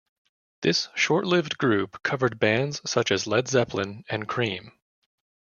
This short-lived group covered bands such as Led Zeppelin and Cream.